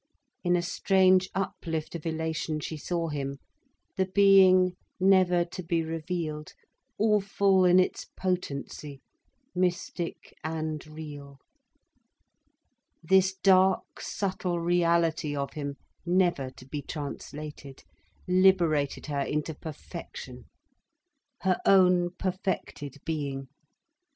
In a strange uplift of elation she saw him, the being never to be revealed, awful in its potency, mystic and real. This dark, subtle reality of him, never to be translated, liberated her into perfection, her own perfected being.